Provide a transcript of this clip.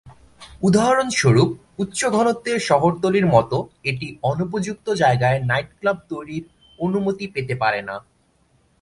উদাহরণস্বরূপ, উচ্চ-ঘনত্বের শহরতলির মতো এটি অনুপযুক্ত জায়গায় নাইটক্লাব তৈরির অনুমতি পেতে পারে না।